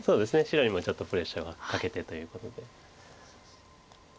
白にもちょっとプレッシャーはかけてということで。